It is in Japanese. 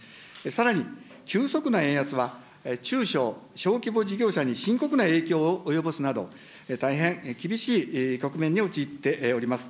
さらに、急速な円安は中小・小規模事業者に深刻な影響を及ぼすなど、大変厳しい局面に陥っております。